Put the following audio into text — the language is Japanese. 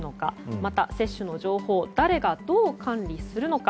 また、接種の情報は誰がどう管理するのか。